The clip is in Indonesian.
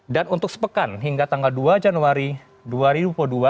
dan untuk sepekan hingga tanggal dua januari dua ribu dua puluh satu cukup banyak penurunan yang terjadi